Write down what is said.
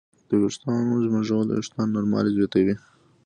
د ویښتانو ږمنځول د وېښتانو نرموالی زیاتوي.